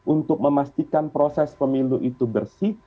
untuk memastikan proses pemilu itu bersih